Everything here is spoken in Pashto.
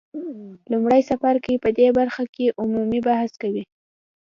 لومړی څپرکی په دې برخه کې عمومي بحث کوي.